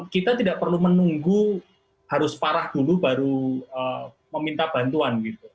kita tidak perlu menunggu harus parah dulu baru meminta bantuan gitu